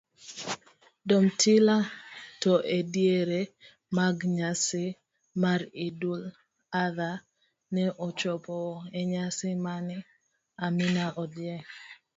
Domtila to ediere mag nyasi mar eidul Adhaa ne ochopo enyasi mane Amina odhiye.